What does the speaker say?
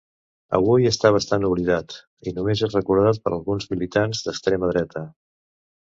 Avui està bastant oblidat, i només és recordat per alguns militants d'extrema dreta.